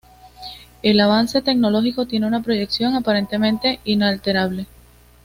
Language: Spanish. El avance tecnológico tiene una proyección aparentemente inalterable.